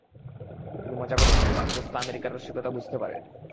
তিনি মজা করেছিলেন আর টেসলা আমেরিকার রসিকতা বুঝতে পারে নি।